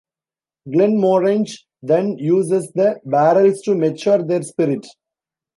Glenmorangie then uses the barrels to mature their spirit.